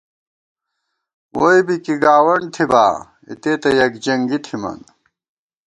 ووئی بی کی گاوَنڈ تھِبا، اِتےتہ یَکجنگی تھِمان